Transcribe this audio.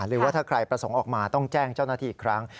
หรือว่าถ้าใครประสงค์ออกมาต้องแจ้งเจ้าหน้าที่อีกครั้ง